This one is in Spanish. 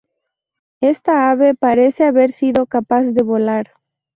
Esta ave parece haber sido capaz de volar.